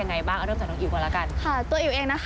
เออไหนบกมือสิส่งจูบนิดนึง